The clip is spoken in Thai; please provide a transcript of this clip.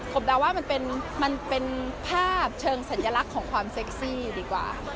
ผมเดาว่ามันเป็นภาพเชิงสัญลักษณ์ของความเซ็กซี่ดีกว่า